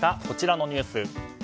こちらのニュース。